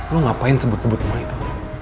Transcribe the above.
lo ngapain sebut sebut sama itu